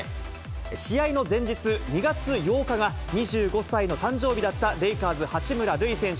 試合の前日、２月８日が２５歳の誕生日だったレイカーズ、八村塁選手。